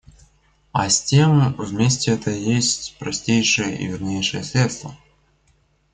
А с тем вместе это есть простейшее и вернейшее средство.